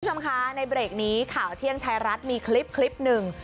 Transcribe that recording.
คุณผู้ชมคะในเบรกนี้ข่าวเที่ยงไทยรัฐมีคลิปหนึ่ง